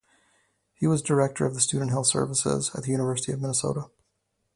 He was director of the Student Health Service at the University of Minnesota.